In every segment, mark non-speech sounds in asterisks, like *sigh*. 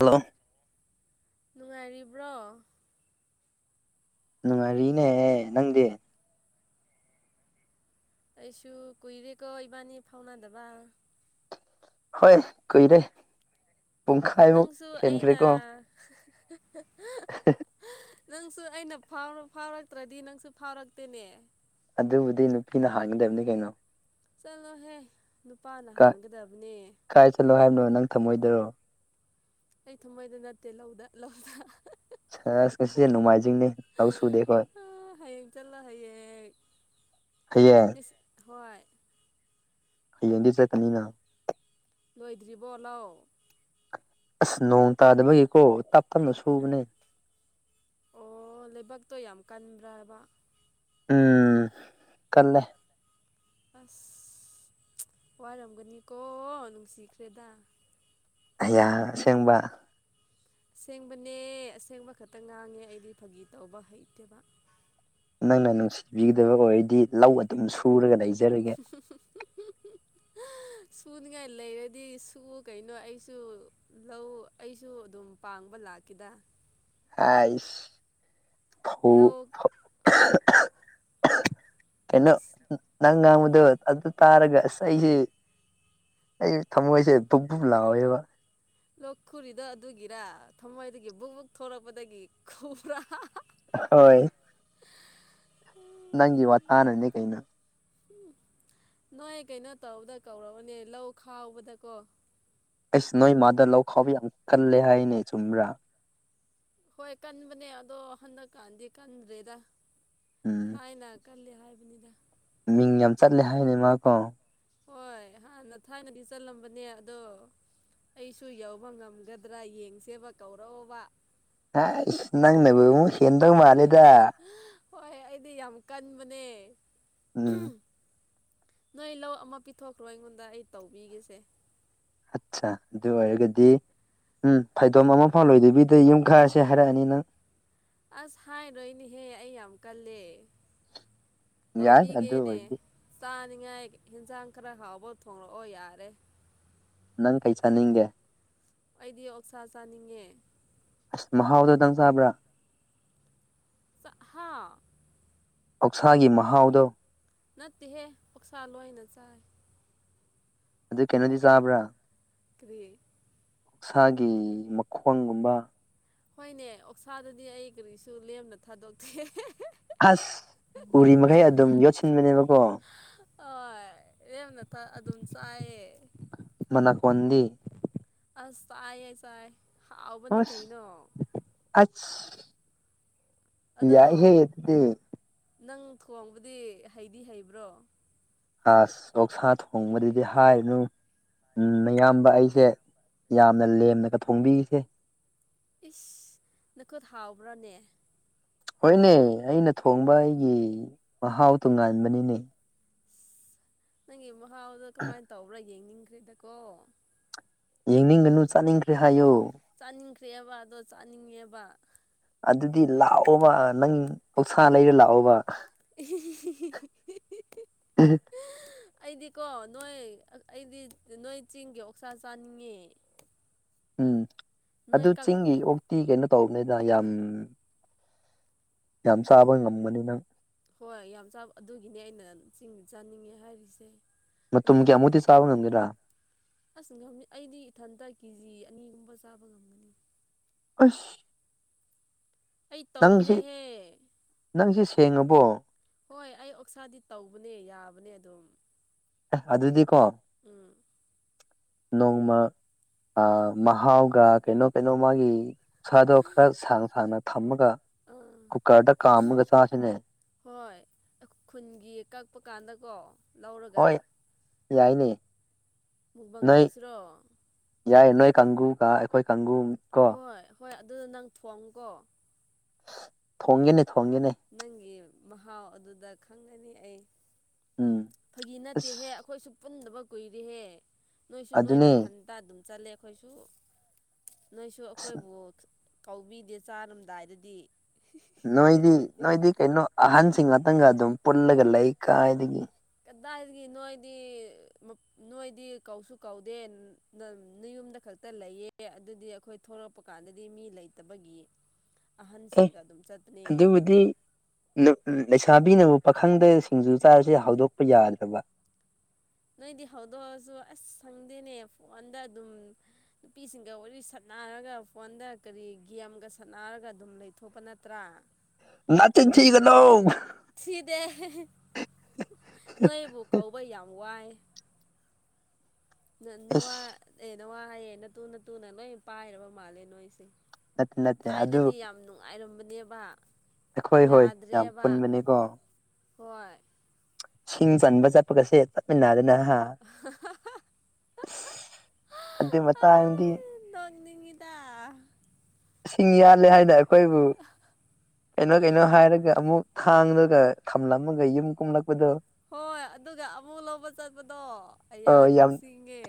hello ꯅꯨꯡꯉꯥꯏꯔꯤꯕ꯭ꯔꯣ ꯅꯨꯡꯉꯥꯏꯔꯤꯅꯦꯍ ꯅꯪꯗꯤ ꯑꯩꯁꯨ ꯀꯨꯏꯔꯦꯀꯣ ꯏꯕꯥꯅꯤ ꯐꯥꯎꯅꯗꯕ ꯍꯣꯏ ꯀꯣꯏꯔꯦ ꯅꯪꯁꯨ ꯑꯩꯅ ꯅꯪꯁꯨ ꯑꯩꯅ ꯐꯥꯎꯔꯛꯇ꯭ꯔꯗꯤ ꯅꯪꯁꯨ ꯐꯥꯎꯔꯛꯇꯦꯅꯦ ꯑꯗꯨꯕꯨꯗꯤ ꯅꯨꯄꯤꯅ ꯍꯥꯡꯒꯗꯕꯅꯤ ꯀꯩꯅꯣ ꯆꯂꯣ ꯍꯦ ꯀꯥꯏ ꯆꯠꯂꯣ ꯍꯥꯏꯕꯅꯣ ꯅꯪ ꯊꯝꯃꯣꯏꯗꯔꯣ ꯑꯩ ꯊꯃꯣꯏꯗ ꯅꯠꯇꯦ ꯂꯧꯗ ꯂꯧꯗ ꯁꯁ ꯉꯁꯤꯁꯦ ꯣꯡꯃꯥꯏꯖꯤꯡꯅꯤ ꯂꯧ ꯁꯨꯗꯦꯈꯣꯏ ꯍꯌꯦꯡ ꯆꯠꯂꯣ ꯍꯌꯦꯡ ꯀꯌꯥ ꯉꯁꯤ ꯍꯣꯏ ꯍꯌꯦꯡꯗꯤ ꯆꯠꯀꯅꯤꯅ ꯂꯣꯏꯗ꯭ꯔꯤꯕꯣ ꯂꯣ ꯑꯁ ꯅꯣꯡ ꯇꯥꯗꯕꯒꯤꯀꯣꯞ ꯎꯝ ꯑꯣ ꯂꯩꯕꯥꯛꯇꯣ ꯌꯥꯝ ꯀꯟꯕ꯭ꯔꯥꯕ ꯎꯝ ꯀꯂꯦ ꯑꯁ ꯋꯥꯔ ꯑꯃꯒꯅꯤꯀꯣ ꯍꯅꯁꯤꯈ꯭ꯔꯦꯗꯥ ꯍꯌꯥ ꯁꯦꯡꯕ ꯑꯁꯦꯡꯕꯅꯦ ꯑꯁꯦꯡꯕ ꯈꯛꯇꯪ ꯉꯥꯡꯉꯦ ꯑꯩꯗꯤ ꯐꯥꯒꯤ ꯇꯧꯕ ꯍꯩꯇꯦꯕ ꯅꯪꯅ ꯅꯨꯡꯁꯤꯕꯤꯒꯗꯕ ꯑꯣꯏꯔꯗꯤ ꯂꯧ ꯑꯗꯨꯝ ꯁꯨꯔꯒ ꯂꯩꯁ *unintelligible* ꯁꯨꯅꯤꯡꯉꯥꯏ ꯂꯩꯔꯗꯤ ꯁꯨ ꯀꯩꯅꯣ ꯑꯩꯁꯨ ꯂꯧ ꯑꯩꯁꯨ ꯑꯗꯨꯝ ꯄꯥꯡꯕ ꯂꯥꯛꯗ ꯑꯥꯏꯁ ꯂꯧ ꯍꯩꯅ ꯑꯁ ꯅꯪ ꯉꯥꯡ ꯑ ꯑꯗꯨ ꯇꯥꯔꯒꯁ ꯑꯩꯁꯦ ꯑꯩ ꯊꯃꯣꯏꯁꯦ ꯙꯛ ꯕꯨꯨꯞ ꯂꯥꯎꯋꯦꯕ ꯂꯣꯛ ꯈꯨꯨꯔꯤꯗꯣ ꯑꯗꯨꯒꯤꯔꯥ ꯊꯃꯣꯏꯗꯒꯤ ꯕꯨꯛ ꯕꯨꯛ ꯊꯣꯔꯛꯄꯗꯒꯤ ꯈꯨꯔꯥ ꯍꯣꯏ ꯅꯪꯒꯤ ꯋꯥ ꯇꯥꯅꯅꯦ ꯀꯩꯅ ꯎ ꯅꯣꯏ ꯀꯩꯅꯣ ꯇꯧꯕꯗ ꯀꯧꯔꯕꯅꯦ ꯂꯧ ꯈꯥꯎꯕꯗꯀꯣ ꯑꯩꯁ ꯅꯣꯏ ꯃꯥꯗ ꯂꯧ ꯈꯥꯎꯕ ꯌꯥꯝ ꯀꯜꯂꯦ ꯍꯥꯏꯅꯦ ꯑꯩ ꯆꯨꯝꯕ꯭ꯔꯥ ꯍꯣꯏ ꯀꯟꯕꯅꯦ ꯑꯗꯣ ꯍꯟꯗꯛꯀꯥꯟꯗꯤ ꯀꯟꯗ꯭ꯔꯦꯗ ꯎꯝ ꯊꯥꯏꯅ ꯀꯜꯂꯦ ꯍꯥꯏꯕꯅꯤꯗ ꯃꯤꯡ ꯌꯥꯝ ꯆꯠꯂꯦ ꯍꯥꯏꯅꯦ ꯃꯥꯀꯣ ꯍꯣꯏ ꯍꯥꯟꯅ ꯊꯥꯏꯅꯗꯤ ꯆꯠꯂꯝꯕꯅꯦ ꯑꯗꯣ ꯑꯩꯁꯨ ꯌꯧꯕ ꯉꯝꯒꯗ꯭ꯔꯥ ꯌꯦꯡꯁꯦꯕ ꯀꯧꯔꯕ ꯍ ꯏ ꯅ ꯅꯕ ꯁꯦꯟꯗ ꯃꯥꯂꯦꯗ ꯃꯅꯦ ꯎꯝ ꯅꯣꯏ ꯂꯧ ꯑꯃ ꯄꯤꯊꯣꯛꯈ꯭ꯔꯣ ꯑꯩꯉꯣꯟꯗ ꯑꯩ ꯇꯧꯕꯤꯒꯁꯦ ꯑꯠꯆꯥ ꯑꯗꯨ ꯑꯣꯏꯔꯒꯗꯤ ꯎꯝ ꯐꯩꯗꯣꯝ ꯑꯃꯐꯥꯎꯂꯣꯏꯗꯕꯤꯗ ꯌꯨꯝ ꯈꯔꯁꯦ ꯍꯥꯏꯔꯛꯑꯅꯤ ꯅꯪ ꯑꯁ ꯍꯥꯏꯔꯣꯏ ꯏꯅꯦꯍꯦ ꯑꯩ ꯌꯥꯝ ꯀꯜꯂꯦ ꯌꯥꯏ ꯑꯗꯨ ꯇꯧꯕꯤꯒꯦꯅꯦ ꯑꯣꯏꯔꯗꯤ ꯆꯥꯅꯤꯉꯥꯏ ꯌꯦꯟꯁꯥꯡ ꯈꯔ ꯍꯥꯎꯕ ꯊꯣꯡꯂꯛꯑꯣ ꯌꯥꯔꯦ ꯅꯪ ꯀꯩ ꯆꯥꯅꯤꯡꯒꯦ ꯑꯩꯗꯤ ꯑꯣꯛꯁꯥ ꯆꯥꯅꯤꯡꯉꯦ ꯑꯁ ꯃꯍꯥꯎꯗꯗꯪ ꯆꯕ꯭ꯔꯥ ꯑꯍꯥ ꯑꯣꯧꯁꯥꯒꯤ ꯃꯍꯥꯎꯗꯣ ꯅꯠꯇꯦꯍꯦ ꯄꯛꯁꯥ ꯂꯣꯏꯅ ꯆꯥꯏ ꯑꯗꯨ ꯀꯩꯅꯣꯗꯤ ꯆꯥꯕ꯭ꯔꯥ ꯀꯔꯤꯔꯤꯌꯦꯠ ꯈꯨꯁꯥꯒꯤ ꯃꯈꯣꯡꯒꯨꯝꯕ ꯍꯣꯏꯅꯦ ꯑꯣꯛꯁꯥꯗꯗꯤ ꯑꯩ ꯀꯔꯤꯁꯨ ꯂꯦꯝꯅ ꯊꯥꯗꯣꯛꯇꯦ ꯑꯁ ꯎꯔꯤ ꯃꯈꯩ ꯑꯗꯨꯝ ꯌꯣꯠꯁꯤꯟꯕꯅꯦꯕꯀꯣ ꯔꯦꯃ ꯅ ꯊ ꯑ ꯑꯗꯨꯟ ꯆꯑ ꯃꯅꯥꯀꯣꯟꯗꯤ ꯑꯁꯑꯌꯦ ꯆꯥꯏ ꯍꯥꯎꯕꯅꯤ ꯍꯁ ꯀꯩꯅꯣ ꯑ ꯑꯗꯣ ꯌꯥꯏ ꯍꯦ ꯌꯦꯗꯤ ꯅꯪ ꯊꯣꯡꯕꯗꯤ ꯍꯩꯗꯤ ꯍꯩꯕ꯭ꯔꯣ ꯑꯁ ꯑꯣꯛꯁꯥ ꯊꯣꯡꯕꯗꯨꯗꯤ ꯍꯥꯏꯔꯤꯅꯨ ꯎ ꯃꯌꯥꯝꯕ ꯑꯩꯁꯦ ꯌꯥꯝꯅ ꯂꯦꯝꯅꯒ ꯐꯣꯡꯕꯤꯔꯤꯁꯦ ꯏꯁ ꯅꯈꯨꯠ ꯍꯥꯎꯕ꯭ꯔꯥꯅꯦ ꯍꯣꯏꯅꯦ ꯑꯩꯅ ꯊꯣꯡꯕ ꯑꯩꯒꯤ ꯃꯍꯥꯎ ꯇꯣ ꯉꯥꯟꯕꯅꯤꯅꯦ ꯅꯪꯒꯤ ꯃꯍꯥꯎꯗꯣ ꯀꯃꯥꯏꯅ ꯇꯧꯕ꯭ꯔꯥ ꯌꯦꯡꯅꯤꯡꯈ꯭ꯔꯦꯗꯀꯣ ꯌꯦꯡꯅꯤꯡꯒꯅꯨ ꯆꯥꯅꯤꯡꯈ꯭ꯔꯦ ꯍꯥꯏꯌꯨ ꯆꯥꯅꯤꯡꯈ꯭ꯔꯦꯕ ꯑꯗꯣ ꯆꯥꯅꯤꯡꯉꯦꯕ ꯑꯗꯨꯗꯤ ꯂꯥꯛꯑꯣꯕ ꯅꯪ ꯄꯧꯁꯥ ꯂꯩꯔ ꯂꯥꯛꯑꯣꯕ *inaudible* ꯑꯩꯗꯤꯀꯣ ꯅꯣꯏ ꯑꯩꯗꯤ ꯅꯣꯏ ꯆꯤꯡꯒꯤ ꯑꯣꯛꯁꯥ ꯆꯥꯅꯤꯡꯉꯦ ꯎꯝ ꯅꯣꯏ ꯑꯗꯨ ꯀꯛ ꯆꯤꯡꯒꯤ ꯑꯣꯛꯇꯤ ꯀꯩꯅꯣ ꯇꯧꯕꯅꯤꯗ ꯌꯥꯝ ꯌꯥꯝ ꯆꯥꯕ ꯉꯝꯒꯅꯤ ꯅꯪ ꯍꯣꯏ ꯌꯥꯝ ꯆꯥꯕ ꯑꯗꯨꯒꯤꯅꯦ ꯑꯩꯅ ꯆꯤꯡ ꯆꯥꯅꯤꯡꯉꯦ ꯍꯥꯏꯔꯤꯁꯦ ꯑꯗꯣ ꯃꯝꯒꯤ ꯑꯃꯨꯗꯤꯤ ꯁꯥꯎꯅꯗꯔ ꯑꯁ ꯑꯩꯗꯤ ꯏꯊꯟꯇ ꯀꯦꯖꯤ ꯑꯅꯤꯒꯨꯝꯕ ꯆꯥꯕ ꯉꯝꯒꯅꯤ ꯑꯁ ꯑꯩ ꯅꯪꯁꯦ ꯇꯧꯕꯅꯦꯍꯦ ꯅꯪꯁ ꯁꯦꯡꯉꯕꯣ ꯍꯣꯏ ꯑꯩ ꯑꯣꯛꯁꯥꯗꯤ ꯇꯧꯕꯅꯦ ꯌꯥꯕꯅꯦ ꯑꯗꯨꯝ ꯑꯗꯨꯗꯤꯀꯣ ꯎꯝ ꯅꯣꯡꯃ ꯃꯍꯥꯎꯒ ꯀꯩꯅꯣ ꯀꯩꯅꯣ ꯃꯥꯒꯤ ꯁꯥꯗꯣ ꯈꯔ ꯁꯥꯡ ꯁꯥꯡꯅ ꯊꯝꯃꯒ ꯑꯥ ꯀꯨꯀꯥꯔꯗ ꯀꯥꯝꯒꯁꯁꯤꯅꯦ ꯍꯣꯏ ꯈꯨꯟꯒꯤ ꯀꯛꯄ ꯀꯥꯟꯗꯀꯣ ꯂꯧꯔꯒ ꯍꯣꯏ ꯌꯥꯏꯅꯦ ꯃꯨꯛꯕꯪ ꯅꯣꯏ ꯇꯧꯁꯤꯔꯣ ꯌꯥꯏ ꯅꯣꯏ ꯀꯥꯡꯒꯨ ꯀ ꯑꯩꯈꯣꯏ ꯀꯥꯡꯒꯨ ꯀꯣ ꯍꯣꯏ ꯍꯣꯏ ꯑꯗꯨ ꯅꯪ ꯊꯣꯡꯀꯣ ꯐꯣꯡꯅꯤ ꯅꯪꯒꯤ ꯃꯍꯥꯎ ꯑꯗꯨꯗ ꯈꯪꯒꯅꯤ ꯑꯩ ꯎꯝ ꯐꯥꯒꯤ ꯑꯁ ꯅꯠꯇꯦꯍꯦ ꯑꯩꯈꯣꯏꯁꯨ ꯄꯨꯟꯗꯕ ꯀꯨꯏꯔꯦꯍꯦ ꯅꯣꯏꯁꯨ ꯑꯗꯨꯅꯦ ꯅꯣꯏꯅꯊꯟꯇ ꯑꯗꯨꯝ ꯆꯠꯂꯦ ꯑꯩꯈꯣꯏꯁꯨ ꯅꯣꯏꯁꯨ ꯑꯁ ꯑꯩꯈꯣꯏꯕꯨ ꯀꯧꯕꯤꯗꯦ ꯆꯥꯔꯝꯗꯥꯏꯗꯗꯤ ꯅꯣꯏꯗꯤ ꯅꯣꯏꯗꯤ ꯀꯩꯅꯣ ꯑꯍꯟꯁꯤꯡ ꯉꯥꯛꯇꯪꯒ ꯑꯗꯨꯝ ꯄꯨꯜꯂꯒ ꯂꯩ ꯀꯥꯏꯗꯒꯤ ꯀꯗꯥꯏꯗꯒꯤ ꯅꯣꯏꯗꯤ ꯅꯣꯏꯗꯤ ꯀꯧꯁꯨ ꯀꯧꯗꯦ ꯌꯨꯝꯗ ꯈꯛꯇ ꯂꯩꯌꯦ ꯑꯗꯨꯗꯤ ꯑꯩꯈꯣꯏ ꯊꯂꯛꯄ ꯀꯥꯟꯗꯗꯤ ꯃꯤ ꯂꯩꯇꯕꯒꯤ ꯑ ꯑꯍꯟꯁꯤꯡꯒ ꯑꯗꯨꯝ ꯆꯠꯄꯅꯦ ꯑꯗꯨꯕꯨꯗꯤ ꯆꯥꯕꯤꯅꯕ ꯄꯥꯈꯪꯗ ꯁꯤꯡꯖꯨ ꯆꯥꯔꯁꯦ ꯍꯧꯗꯣꯛꯄ ꯌꯥꯗ꯭ꯔꯕ ꯅꯣꯏꯗꯤ ꯍꯧꯗꯣꯛꯑꯔꯁꯨ ꯑꯁ ꯁꯪꯗꯦꯅꯦ ꯐꯣꯟꯗ ꯑꯗꯨꯝ ꯅꯨꯄꯤꯁꯤꯡꯒ ꯋꯥꯔꯤ ꯁ ꯁꯥꯟꯅꯔꯒ ꯐꯣꯟꯗ ꯀꯔꯤ ꯒꯦꯝꯒ ꯁꯥꯟꯅꯔꯒ ꯑꯗꯨꯝ ꯂꯩꯊꯣꯛꯄ ꯅꯠꯇ꯭ꯔꯥ ꯅꯠꯇꯤꯟ ꯊꯒꯗꯣ ꯊꯤꯗꯦ ꯅꯣꯏꯕꯨ ꯀꯧꯕ ꯌꯥꯝ ꯋꯥꯏ ꯑꯁ ꯅꯋꯥ ꯑꯦ ꯅꯋꯥ ꯍꯥꯏꯌꯦꯦ ꯅ ꯇꯨꯅ ꯇꯨꯅ ꯂꯣꯏ ꯄꯥꯏꯔꯕ ꯃꯥꯜꯂꯦ ꯅꯣꯏꯁꯦ ꯃꯠꯇꯦ ꯅꯠꯇꯦ ꯑꯗꯨ ꯑꯗꯨ ꯗꯦꯕ ꯑꯩꯈꯣꯏ ꯍꯣꯏ ꯌꯥꯝ ꯄꯨꯟꯕꯅꯤꯀꯣ ꯍꯣꯏ ꯁꯤꯡ ꯆꯟꯕ ꯆꯠꯄꯒꯁꯦ ꯆꯠꯃꯤꯟꯅꯗꯅ ꯑ ꯑꯗꯨ ꯃꯇꯥꯡ ꯍꯥꯏꯗꯤ ꯆꯂꯤꯗ ꯁꯤꯡ ꯌꯥꯜꯂꯦ ꯍꯥꯏꯅ ꯑꯩꯈꯣꯏꯕꯨ ꯀꯩꯅꯣ ꯀꯩꯅꯣ ꯍꯥꯏꯔꯒ ꯑꯃꯨꯛ ꯊꯥꯡꯂꯒ ꯊꯝꯂꯝꯃꯒ ꯌꯨꯝ ꯀꯨꯝꯂꯛ ꯍꯣꯏ ꯑꯗꯨꯒ ꯑꯃꯨꯛ ꯂꯧꯕ ꯆꯠꯄꯗꯣ ꯑ ꯑꯩꯌꯥ ꯅꯤꯡꯁꯤꯡꯉꯦ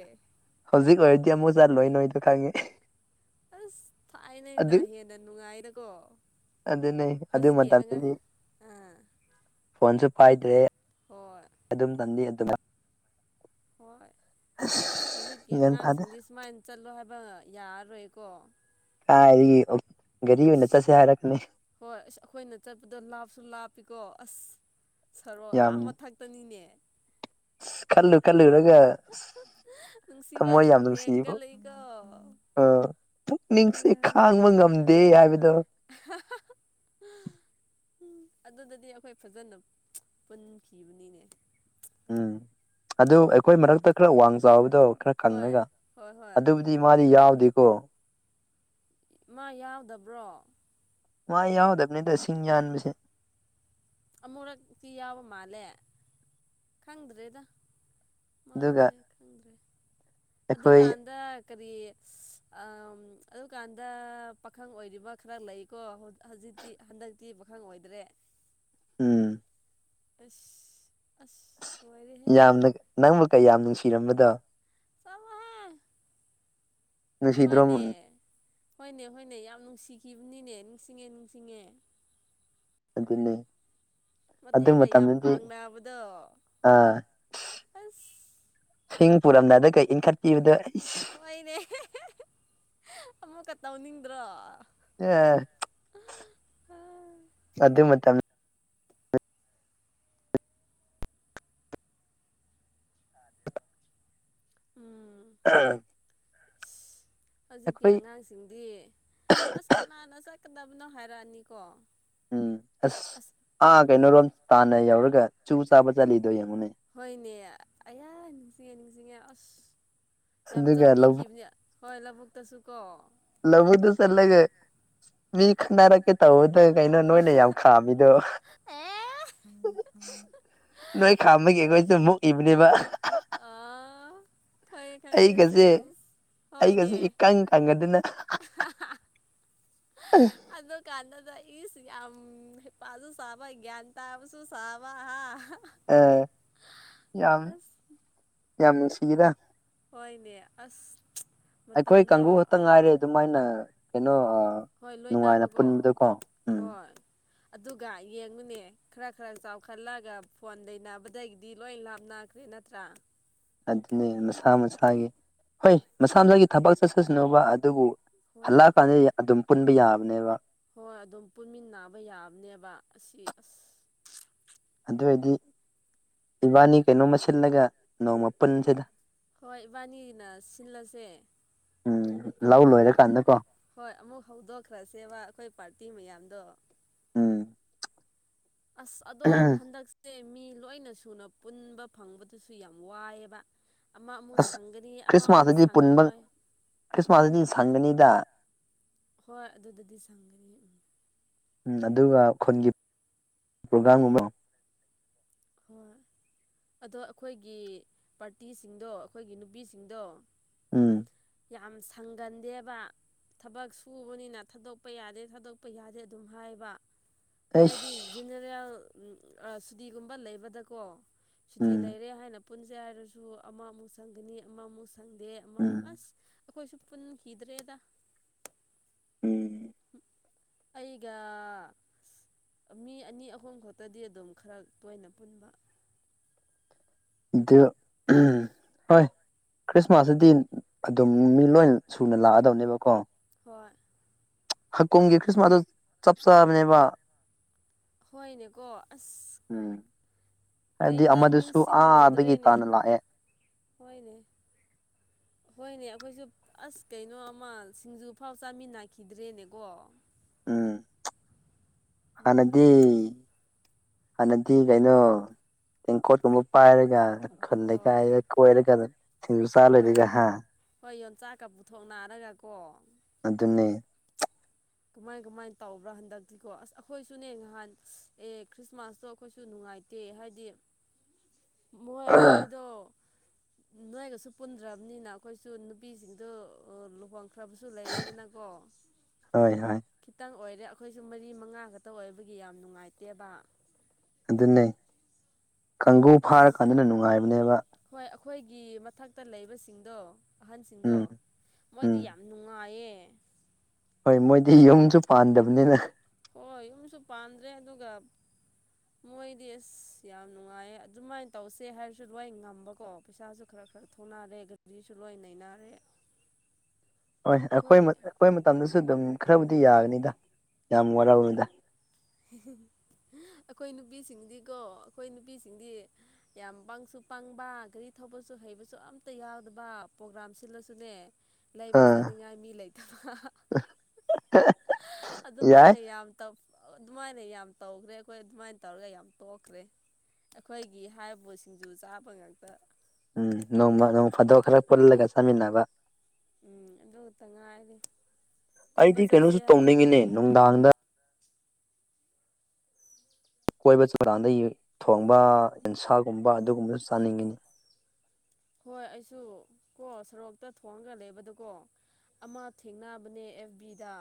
ꯏ ꯃꯣꯏ ꯆꯥ ꯂꯣꯏꯅꯣꯣꯏꯣ ꯈꯥꯉꯦ ꯑꯁ ꯊꯥꯏꯅꯦꯅ ꯍꯦꯟꯅ ꯅꯨꯡꯉꯥꯏꯅꯀꯣ ꯑꯗꯨꯅꯤ ꯑꯗꯨ ꯃꯇꯝꯗꯗꯤ ꯑꯥ ꯐꯣꯟꯁꯨ ꯄꯥꯏꯗ꯭ꯔꯦ ꯍꯣꯏ ꯑꯗꯨꯝ ꯇꯟꯤ ꯑꯗꯨ ꯑꯗꯨꯃ ꯍꯣꯏ ꯍꯧꯖꯤꯛꯀꯤ ꯒ꯭ꯌꯥꯟ ꯇꯥꯗꯦ ꯑꯉꯥꯡꯁꯤꯡꯗꯤ ꯁꯨꯃꯥꯏꯅ ꯆꯠꯂꯣ ꯍꯥꯏꯕ ꯏ ꯌꯥꯔ ꯑꯣꯏꯣꯏꯀꯣ *inaudible* ꯆꯠꯁꯦ ꯑꯁ ꯍꯥꯏꯔꯛꯀꯅꯤ ꯍꯣꯏ ꯑꯁ ꯑꯩꯈꯣꯏꯅ ꯆꯠꯄꯗ ꯂꯥꯞꯁꯨ ꯂꯥꯞꯄꯤꯀꯣ ꯑꯁ ꯁꯔꯣꯛ ꯑꯌꯥꯝ ꯃꯊꯛꯇꯅꯤꯅꯦ ꯀꯜꯂꯨ ꯀꯜꯨꯨꯔꯒ ꯅꯨꯡꯁꯤꯕ ꯁꯨꯝ ꯍꯦꯡꯒ ꯂꯩꯀꯣ ꯑ ꯄꯨꯛꯅꯤꯡꯁꯤ ꯈꯥꯡꯕ ꯉꯝꯗꯦ ꯍꯥꯏꯕꯗꯣ *unintelligible* *unintelligible* ꯎꯝ ꯑꯗꯨꯗꯗꯤ ꯑꯩꯈꯣꯏ ꯐꯖꯅ ꯄꯨꯟꯈꯤꯕꯅꯤꯅꯦ ꯎꯝ ꯑꯗꯨ ꯑꯩꯈꯣꯏ ꯃꯔꯛꯇ ꯈꯔ ꯋꯥꯡ ꯆꯥꯎꯕꯗꯣ ꯈꯔ ꯍꯣꯏ ꯀꯪꯉꯒ ꯍꯣꯏ ꯍꯣꯏ ꯑꯗꯨꯕꯨꯗꯤ ꯃꯥꯗꯤ ꯌꯥꯎꯗꯦꯀꯣ ꯃꯥ ꯌꯥꯎꯗꯕ꯭ꯔꯣ ꯃꯥ ꯌꯥꯎꯗꯕꯅꯤꯗ ꯁꯤꯡ ꯌꯥꯟꯕꯁꯦ ꯑꯃꯨꯔꯛꯇꯤ ꯌꯥꯎꯕ ꯃꯥꯜꯂꯦ ꯈꯪꯗ꯭ꯔꯦꯗ ꯃꯥꯗꯣ ꯑꯗꯨꯒ ꯑꯩ ꯈꯪꯗ꯭ꯔꯦ ꯑꯩꯈꯣꯏ ꯑꯗꯨꯀꯥꯟꯗ ꯀꯔꯤ ꯑꯗꯨꯀꯥꯟꯗ ꯄꯥꯈꯪ ꯑꯣꯏꯔꯤꯕ ꯈꯔ ꯂꯩꯀꯣ ꯍꯧꯖꯤꯛ ꯍꯧꯖꯤꯛꯇꯤ ꯍꯟꯗꯛꯇꯤ ꯄꯥꯈꯪ ꯑꯣꯏꯗ꯭ꯔꯦ ꯎꯝ ꯑꯁ ꯑꯁ ꯑ ꯂꯣꯏꯔꯦꯍꯦ ꯌꯥꯝꯅ ꯅꯪꯕꯨ ꯀꯩꯌꯥꯝ ꯅꯨꯡꯁꯤꯔꯝꯕꯗꯣ ꯆꯥꯎꯍꯦ ꯅꯁꯤꯍꯤꯗ ꯍꯣꯏꯅꯦ ꯔꯣꯃꯟ ꯍꯣꯏꯅꯦ ꯍꯣꯏꯅꯦ ꯌꯥꯝ ꯅꯨꯡꯁꯤꯈꯤꯕꯅꯤꯅꯦ ꯅꯤꯡꯁꯤꯡꯉꯦ ꯅꯤꯡꯁꯤꯡꯉꯦ ꯑꯗꯨ ꯂꯩ ꯃꯇꯦꯡꯒ ꯌꯥꯝ ꯄꯥꯡꯅꯕꯗꯣ ꯑꯥ ꯑꯁ ꯄꯨꯔꯝꯅꯗ ꯀꯩ ꯏꯟꯈꯠꯄꯤꯕꯗ ꯍꯣꯏꯅꯦ ꯑꯃꯨꯛꯀ ꯇꯧꯅꯤꯡꯗ꯭ꯔꯣ ꯑꯦ ꯑꯗꯨ ꯃꯇꯝ ꯃꯇꯝ ꯎꯝ ꯑꯥ *unintelligible* ꯍꯧꯖꯤꯛꯀꯤ ꯑꯉꯥꯡꯁꯤꯡꯗꯤ ꯑꯁ ꯀꯅꯥꯅ ꯆꯠꯀꯗꯕ ꯑꯗꯨꯅ ꯍꯥꯏꯔꯛꯑꯅꯤꯀꯣ ꯎꯝ ꯑꯁ ꯑꯥ ꯀꯩꯅꯣꯔꯣꯝ ꯇꯥꯟꯅ ꯌꯧꯔꯒ ꯆꯨ ꯆꯥꯕ ꯆꯂꯤꯗꯣ ꯃꯨꯅꯦ ꯅꯦ ꯑꯌꯥ ꯅꯤꯡꯁꯤꯡꯉꯦ ꯅꯤꯡꯁꯤꯡꯉꯦ ꯑꯁ ꯌꯥꯝ ꯑꯗꯨꯒ ꯂꯧ ꯆꯠꯄꯤꯈꯤꯕꯅꯦ ꯍꯣꯏ ꯂꯧꯕꯨꯛꯇꯁꯨ ꯀꯣ ꯂꯕꯗꯁ ꯑꯜꯒ ꯃꯤ ꯈꯟꯅꯔ ꯀ ꯇꯧꯕꯗ ꯀꯩꯅꯣ ꯑ ꯅꯣꯏꯅ ꯌꯥꯝ ꯈꯥꯝꯃꯤꯗꯣ ꯑꯦ ꯅꯣꯏ ꯑꯗꯨ ꯈꯥꯝꯃꯒꯦ ꯑꯩꯈꯣꯏꯁꯤ ꯃꯨꯛꯏꯕꯅꯦꯕ ꯑꯥ ꯈꯪꯉꯦ ꯈꯪꯉꯦ ꯑꯩꯒꯁꯦ ꯁꯦꯜꯁ ꯍꯣꯏꯅꯦ ꯑꯩꯒꯁꯦ ꯏꯀꯪ ꯀꯪꯒꯗꯅ ꯑꯗꯨꯗ ꯀꯥꯟꯅꯗ ꯏꯁꯤ ꯌꯥꯝ ꯌꯥꯝ ꯎꯝ ꯄꯁꯨꯨ ꯁꯥꯕ ꯭ꯟ ꯇꯥꯁꯨ ꯁꯥꯕ ꯍꯥ ꯑ ꯌꯥꯝ ꯑꯁ ꯌꯥꯝ ꯅꯨꯡꯁꯤꯒꯗ ꯍꯣꯏꯅꯦ ꯑꯁ ꯑꯩꯈꯣꯏ ꯃꯇꯝꯗꯣ ꯀꯥꯡꯕꯨ ꯈꯛꯇ ꯉꯥꯏꯔꯦ ꯑꯗꯨꯃꯥꯏꯅ ꯀꯩꯅꯣ ꯍꯣꯏ ꯅꯨꯡꯉꯥꯏꯅ ꯂꯣꯏꯅꯕꯀꯣ ꯄꯨꯟꯕꯗꯀꯣ ꯎꯝ ꯍꯣꯏ ꯑꯗꯨꯒ ꯌꯦꯡꯉꯨꯅꯦ ꯈꯔ ꯈꯔ ꯆꯥꯎꯈꯠꯂꯒ ꯐꯣꯟ ꯂꯩꯕꯗꯒꯤꯗꯤ ꯂꯣꯏ ꯂꯥꯞꯅ ꯅꯠꯇ꯭ꯔꯥ ꯑꯗꯨꯅꯦ ꯃꯁꯥ ꯃꯁꯥꯒꯤ ꯍꯣꯏ ꯃꯁꯥ ꯃꯁꯥꯒꯤ ꯊꯕꯛ ꯆꯠꯁꯁꯅꯣꯕ ꯑꯗꯨꯕꯨ ꯍꯣꯏ ꯍꯜꯂꯛꯑꯀꯥꯟꯗ ꯑꯗꯨꯝ ꯄꯨꯟꯕ ꯌꯥꯕꯅꯦꯕ ꯍꯣꯏ ꯑꯗꯨꯝ ꯄꯨꯟꯃꯤꯟꯅꯕ ꯌꯥꯕꯅꯦꯕ ꯑꯁꯤ ꯑꯁ ꯑꯗꯨꯏꯗꯤ ꯏꯕꯥꯅꯤ ꯀꯩꯅꯣꯃ ꯁꯤꯜꯂꯒ ꯅꯣꯡꯃꯄꯨꯟꯁꯤꯗ ꯍꯣꯏ ꯏꯕꯥꯅꯤꯅ ꯁꯤꯜꯂꯁꯦ ꯎꯝ ꯂꯧ ꯑꯃꯨꯛ ꯂꯣꯏꯔꯀꯥꯟꯗꯀꯣ ꯍꯣꯏ ꯑꯃꯨꯛ ꯍꯧꯗꯣꯛꯈ꯭ꯔꯁꯦꯕ ꯑꯩꯈꯣꯏ ꯄꯥꯔꯇꯤ ꯃꯌꯥꯝꯗꯣ ꯎꯝ ꯑꯁ ꯑꯗꯣ ꯍꯟꯛꯁꯤꯦ ꯃꯤ ꯂꯣꯏꯅ ꯁꯨꯅ ꯄꯨꯟꯕ ꯐꯪꯕꯗꯁꯨ ꯌꯥꯝ ꯋꯥꯏꯑꯦꯕ ꯑꯃ ꯑꯃꯨꯛ ꯑꯁ ꯁꯪꯒꯅꯤ ꯑꯃ ꯑꯃꯨꯛ ꯈ꯭ꯔꯤꯁꯃꯥꯁꯇꯗꯤ ꯁꯪꯉꯣꯏ ꯐꯪꯅꯤꯗ ꯍꯣꯏ ꯑꯗꯨꯗ ꯑꯗꯨꯗꯤ ꯁꯪꯒꯔꯤ ꯎꯝ ꯑꯗꯨꯒ ꯈꯨꯟꯒꯤ ꯄ꯭ꯔꯣꯒꯥ꯭ꯔꯝꯒꯨꯝꯕ ꯍ ꯑꯗꯣ ꯑꯩꯈꯣꯏꯒꯤ ꯄꯥꯔꯇꯤꯁꯤꯡꯗꯣ ꯑꯩꯈꯣꯏꯒꯤ ꯅꯨꯄꯤꯁꯤꯡꯗꯣ ꯎꯝ ꯌꯥꯝ ꯁꯪꯒꯟꯗꯦꯕ ꯊꯕꯛ ꯁꯨꯕꯅꯤꯅ ꯊꯥꯗꯣꯛꯄ ꯌꯥꯗꯦ ꯊꯥꯗꯣꯛꯄ ꯌꯥꯗꯦ ꯑꯗꯨꯝ ꯍꯥꯏꯕ ꯍꯥꯏꯗꯤ ꯑꯩꯁ ꯖꯤꯦꯅꯦꯔꯦꯜ ꯁꯨꯗꯤꯤꯒꯨꯝꯕ ꯂꯩꯕꯗꯀꯣ ꯎꯝ ꯁꯨꯇꯤ ꯂꯩꯔꯦ ꯍꯥꯏꯅ ꯄꯨꯟꯁꯦ ꯍꯥꯏꯔꯁꯨ ꯑꯃꯃꯨꯛ ꯁꯪꯒꯅꯤ ꯑꯃꯃꯨꯛ ꯁꯪ ꯈꯪꯗꯦ ꯎꯝ ꯑꯃꯃꯨꯛ ꯑꯁ ꯑꯩꯈꯣꯏꯁꯨ ꯄꯨꯟꯈꯤꯗ꯭ꯔꯦꯗ ꯎꯝ ꯑꯩꯒ ꯃꯤ ꯑꯅꯤ ꯑꯍꯨꯝ ꯈꯛꯇꯗꯤ ꯑꯗꯨꯝ ꯈꯔ ꯇꯣꯏꯅ ꯄꯨꯟꯕ ꯑꯗꯨꯣ ꯍ ꯈ꯭ꯔꯤꯁꯃꯥꯁꯁꯤꯗꯤ ꯑꯗꯨꯝ ꯃꯤ ꯂꯣꯏ ꯁꯨꯅ ꯂꯥꯛꯑꯗꯕꯅꯦꯕꯀꯣ ꯍꯣꯏ ꯍꯀꯣꯒꯤ ꯈ꯭ꯔꯤꯁꯃꯥꯁ ꯑꯗꯨ ꯆꯞ ꯆꯥꯕꯅꯦꯕ ꯍꯣꯏꯅꯦꯀꯣ ꯑꯁ ꯎꯝ ꯍꯥꯏꯕꯗꯤ ꯀꯩꯝꯇ ꯑꯃꯗꯨꯁꯨ ꯑꯥꯗꯒꯤ ꯅꯤꯡꯁꯤꯡꯍꯧꯗ꯭ꯔꯦꯅꯦ ꯇꯥꯅ ꯂꯥꯛꯑꯦ ꯍꯣꯏꯅꯦ ꯍꯣꯏꯅꯦ ꯑꯩꯈꯣꯏꯁꯨ ꯑꯁ ꯀꯩꯅꯣ ꯑꯃ ꯁꯤꯡꯖꯨ ꯐꯥꯎ ꯆꯥꯃꯤꯟꯅꯈꯤꯗ꯭ꯔꯦꯅꯦꯀꯣ ꯎꯝ ꯍꯅꯗꯤ ꯅꯨꯡꯉꯥꯏꯇꯦꯅꯦ ꯍꯥꯟꯅꯗꯤ ꯀꯩꯅꯣ ꯇꯦꯡꯀꯣꯠꯀꯨꯝꯕ ꯄꯥꯏꯔꯒ ꯈꯟꯂꯒ ꯍꯣꯏ ꯀꯣꯏꯔꯒ ꯊꯖ ꯆꯥ ꯂꯩꯔꯒ ꯍꯥ ꯆꯥꯛꯀ ꯄꯨꯊꯣꯛ ꯅꯥꯔꯒꯀꯣ ꯑꯗꯨ ꯑꯗꯨꯟꯅꯅꯦ ꯀꯃꯥꯏ ꯀꯃꯥꯏ ꯇꯧꯕ꯭ꯔꯥ ꯍꯟꯗꯛꯇꯤꯀꯣ ꯑꯁ ꯑꯩꯈꯣꯏꯁꯨꯅꯦ ꯅꯍꯥꯟ ꯑꯦ ꯈ꯭ꯔꯤꯁꯃꯥꯁꯇꯣ ꯑꯩꯈꯣꯏꯁꯨ ꯅꯨꯡꯉꯥꯏ ꯅꯨꯡꯉꯥꯏꯇꯦ ꯍꯥꯏꯗꯤ ꯃꯣꯏ ꯍꯣꯏ ꯑꯩꯈꯣꯏꯗꯣ ꯅꯣꯏꯒꯁꯨ ꯄꯨꯟꯗ꯭ꯔꯕꯅꯤꯅ ꯑꯩꯈꯣꯏꯁꯨ ꯅꯨꯄꯤꯁꯤꯡꯗ ꯂꯨꯍꯣꯡ ꯈ꯭ꯔꯕꯁꯨ ꯂꯩꯔꯦꯗꯅꯀꯣ ꯍꯣꯏ ꯍꯣꯏ ꯈꯤꯇꯪ ꯑꯣꯏꯔꯦ ꯑꯩꯈꯣꯏꯁꯨ ꯃꯔꯤ ꯃꯉꯥ ꯈꯛꯇ ꯑꯣꯏꯕꯒꯤ ꯌꯥꯝ ꯅꯨꯡꯉꯥꯏꯇꯦꯕ ꯑꯗꯨꯅꯦ ꯀꯥꯡꯒꯨ ꯑꯁ ꯐꯥꯔꯀꯥꯟꯗꯅ ꯅꯨꯡꯉꯥꯏꯕꯅꯦꯕ ꯍꯣꯏ ꯑꯩꯈꯣꯏꯒꯤ ꯃꯊꯛꯇ ꯂꯩꯕꯁꯤꯡꯗꯣ ꯑꯍꯟꯁꯤꯡꯗꯣ ꯎꯝ ꯃꯣꯏꯗꯤ ꯎꯝ ꯌꯥꯝ ꯅꯨꯡꯉꯥꯏꯌꯦ ꯍꯦ ꯍꯣꯏ ꯃꯣꯏꯗꯤ ꯌꯨꯝꯁꯨ ꯄꯥꯟꯗꯕꯅꯤꯅ ꯍꯣꯏ ꯌꯨꯝꯁꯨ ꯄꯥꯟꯗ꯭ꯔꯦ *inaudible* ꯃꯣꯏꯗꯤ ꯑꯁ ꯌꯥꯝ ꯅꯨꯡꯉꯥꯏ ꯑꯗꯨꯃꯥꯏꯅ ꯇꯧꯁꯦ ꯍꯥꯏꯔꯁꯨ ꯑꯗꯨꯋꯥꯏ ꯉꯝꯕꯀꯣ ꯄꯩꯁꯥꯁꯨ ꯈꯔ ꯈꯔ ꯍꯥꯊꯣꯅꯔꯦ ꯒꯗꯤꯁꯨꯂꯣꯏ ꯅꯩꯅꯅꯔꯦ ꯍꯣꯏ ꯑꯩꯈꯣꯏ ꯑꯩꯈꯣꯏ ꯃꯇꯝꯗꯁꯨ ꯑꯗꯨꯝ ꯈꯔꯕꯨꯗꯤ ꯌꯥꯒꯅꯤꯗ ꯌꯥꯝ ꯋꯥꯔꯅꯤꯗ *inaudible* ꯑꯩꯈꯣꯏ ꯅꯨꯄꯤꯁꯤꯡꯗꯤꯀꯣ ꯑꯩꯈꯣꯏ ꯅꯨꯄꯤꯁꯤꯡꯗꯤ ꯌꯥꯝ ꯄꯪꯁꯨ ꯄꯥꯡꯕ ꯒꯥꯔꯤ ꯊꯧꯕꯁꯨ ꯍꯩꯕꯁꯨ ꯑꯝꯇ ꯌꯥꯎꯗꯕ ꯄ꯭ꯔꯣꯒ꯭ꯔꯥꯝ ꯁꯤꯜꯂꯁꯨꯅꯦ ꯂꯩꯕ ꯑꯥ ꯆꯥꯅꯤꯡꯉꯥꯏ ꯃꯤ ꯂꯩꯇꯕ ꯌꯥꯏ ꯑꯗꯨꯃꯥꯏꯅ ꯌꯥꯝ ꯇꯧ ꯑꯗꯨꯃꯥꯏꯅ ꯌꯥꯝ ꯇꯧꯈ꯭ꯔꯦ ꯑꯩꯈꯣꯏ ꯑꯗꯨꯃꯥꯏꯅ ꯇꯧꯔꯒ ꯌꯥꯝ ꯇꯣꯛꯈ꯭ꯔꯦ ꯑꯩꯈꯣꯏꯒꯤ ꯍꯥꯏꯔꯤꯕꯣꯠꯁꯤꯡꯖ ꯆꯥꯕ ꯉꯥꯛꯇ ꯎꯝ ꯅꯣꯡꯃ ꯅꯣꯡ ꯐꯥꯗꯣꯛ ꯈꯔ ꯄꯨꯜꯂꯒ ꯆꯥꯃꯤꯟꯅꯕ ꯎꯝ ꯎ ꯇ ꯉꯥꯏ ꯍꯥꯏꯗꯤ ꯑꯩꯗꯤ ꯀꯩꯅꯣꯁꯨ ꯇꯧꯅꯤꯡꯉꯤꯅꯦ ꯅꯨꯡꯗꯥꯡꯗ ꯀꯣꯏꯕ ꯆꯧꯗꯥꯥꯡꯗ ꯊꯣꯡꯕ ꯌꯦꯟꯁꯥꯒꯨꯝꯕ ꯑꯗꯨꯒꯨꯝꯕꯁꯨ ꯆꯥꯅꯤꯡꯉꯅꯤ ꯍꯣꯏ ꯑꯩꯁꯨ ꯀꯣ ꯁꯔꯣꯛꯇ ꯊꯣꯡꯉꯒ ꯂꯩꯕꯗꯀꯣ ꯑꯃ ꯊꯦꯡꯅꯕꯅꯦ ꯑꯦꯐꯕꯤꯗ